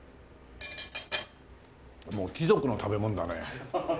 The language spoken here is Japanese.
もう貴族の食べ物だね。